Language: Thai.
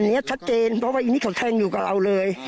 อันนี้ชัดเจนเพราะว่าอีนี่เขาแทงอยู่กับเราเลย